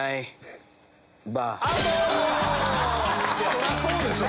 そりゃそうでしょ！